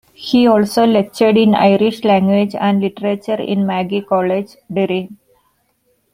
He also lectured in Irish language and literature in Magee College, Derry.